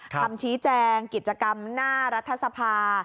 คำชี้แจงกิจกรรมหน้ารัฐสภา